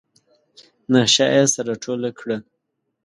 نخشه يې سره ټوله کړه.